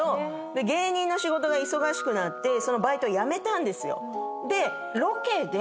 芸人の仕事が忙しくなってそのバイトを辞めたんですよ。